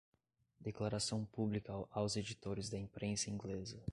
Declaração Pública aos Editores da Imprensa Inglesa